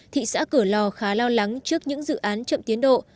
thị xã cửa lò khá lo lắng trước những dự án chậm tiến độ